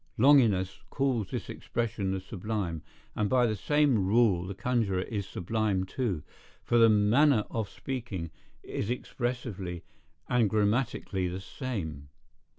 Longinus calls this expression the sublime; and by the same rule the conjurer is sublime too; for the manner of speaking is expressively and grammatically the same.